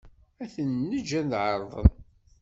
Ad ten-neǧǧ ad ɛerḍen.